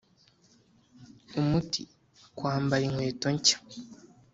umuti: kwambara inkweto nshya.